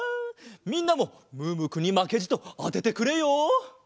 みんなもムームーくんにまけじとあててくれよ。